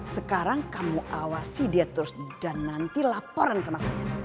sekarang kamu awasi dia terus dan nanti laporan sama saya